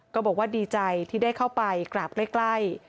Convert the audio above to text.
ก็บอกว่าดีใจที่ได้เข้าไปกราบใกล้